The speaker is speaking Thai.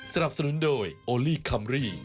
สนับสนุนโดยโอลี่คัมรี่